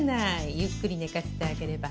ゆっくり寝かせてあげれば。